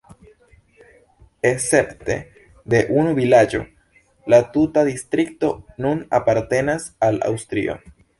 Escepte de unu vilaĝo la tuta distrikto nun apartenas al Aŭstrio.